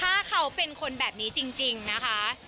ถ้าเขาเป็นคนแบบนี้จริงนะคะ